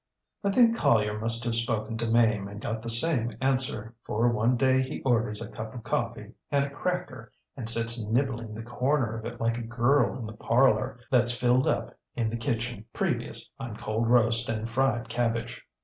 ŌĆ£I think Collier must have spoken to Mame and got the same answer, for one day he orders a cup of coffee and a cracker, and sits nibbling the corner of it like a girl in the parlour, thatŌĆÖs filled up in the kitchen, previous, on cold roast and fried cabbage.